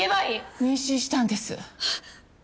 妊娠したんです。